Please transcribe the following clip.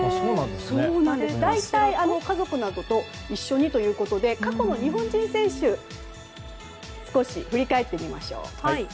大体、家族などと一緒にということで過去の日本人選手を振り返ってみましょう。